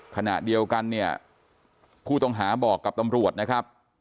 ขณะเดียวกันเนี่ยผู้ต้องหาบอกกับตำรวจนะครับ